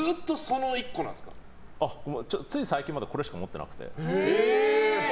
つい最近までこれしか持ってなくて。